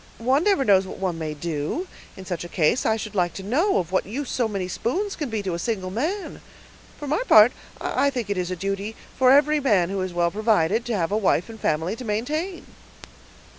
One never knows what one may do, in such a case. I should like to know, of what use so many spoons can be to a single man; for my part, I think it is a duty for every man who is well provided, to have a wife and family to maintain."